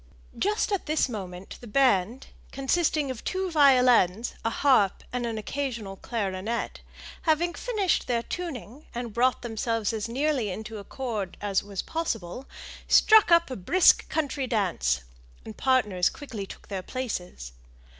Just at this moment the band, consisting of two violins, a harp, and an occasional clarionet, having finished their tuning, and brought themselves as nearly into accord as was possible, struck up a brisk country dance, and partners quickly took their places.